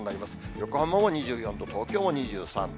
横浜も２４度、東京も２３度。